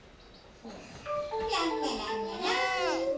ランラランラランっと。